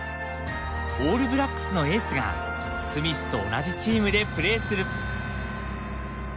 オールブラックスのエースがスミスと同じチームでプレーする。